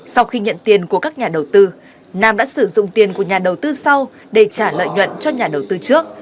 sau khi nhận tiền của các nhà đầu tư nam đã sử dụng tiền của nhà đầu tư sau để trả lợi nhuận cho nhà đầu tư trước